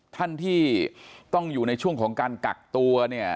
ท่านที่ต้องอยู่ในช่วงของการกักตัวเนี่ย